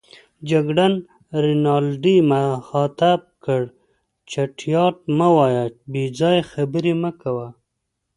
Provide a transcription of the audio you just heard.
جګړن رینالډي مخاطب کړ: چټیات مه وایه، بې ځایه خبرې مه کوه.